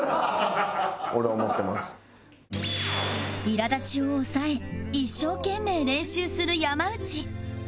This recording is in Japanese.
いら立ちを抑え一生懸命練習する山内